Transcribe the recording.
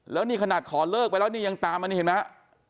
แล้วนี่ขนาดขอเลิกไปแล้วนี่ยังตามอันนี้เห็นไหมฮะ